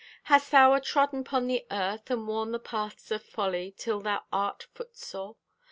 Hast thou atrodden 'pon the Earth, And worn the paths o' folly Till thou art foot sore?